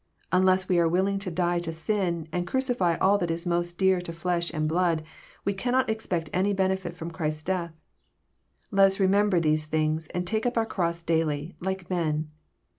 Unless we are willing to die to sin, and crucify all that is most dear to flesh and blood, we cannot expect any benefit from Christ's death. Let us remember these things, and take up our cross daily, like men.